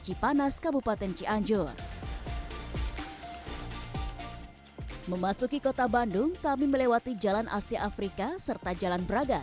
cipanas kabupaten cianjur memasuki kota bandung kami melewati jalan asia afrika serta jalan braga